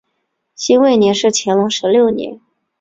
辛未年是乾隆十六年。